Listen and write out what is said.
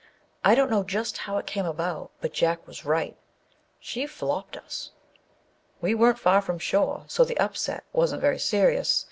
I don't know just how it came about, but Jack was right â she " flopped" us. We weren't far from shore, so the upset wasn't very serious.